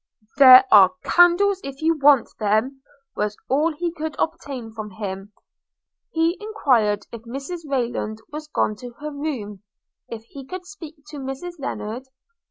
– 'There are candles, if you want them!' was all he could obtain from him. He enquired if Mrs Rayland was gone to her room? if he could speak to Mrs Lennard?